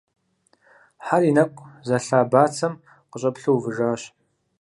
Хьэр и нэкӀу зэлъа бацэм къыщӀэплъу увыжащ.